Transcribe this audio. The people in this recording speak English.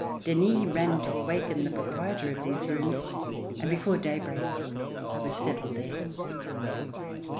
Denis ran to awaken the proprietor of these rooms and before daybreak I was settled there.